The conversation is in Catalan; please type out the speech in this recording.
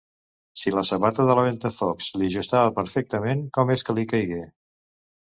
Si la sabata de la Ventafocs li ajustava perfectament, com és que li caigué...?